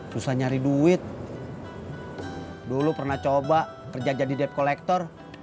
susah nyari duit dulu pernah coba kerja jadi debt collector